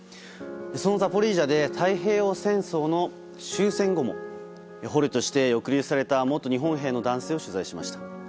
そのザポリージャで太平洋戦争の終戦後も捕虜として抑留された元日本兵の男性を取材しました。